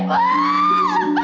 bu lepasin saya bu